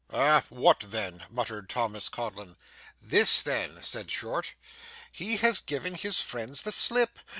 'Ah! what then?' muttered Thomas Codlin. 'This, then,' said Short. 'He has given his friends the slip.